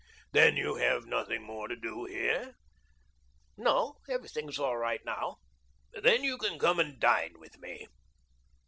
"Then you have nothing more to do here?" "No—everything is all right now." "Then you can come and dine with me?"